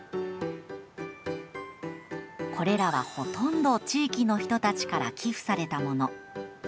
これらはほとんど地域の人たちから寄付されたもの。